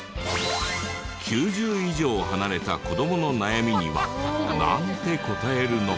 ９０以上離れた子どもの悩みにはなんて答えるの？